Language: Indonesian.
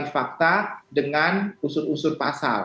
dengan fakta dengan usur usur pasal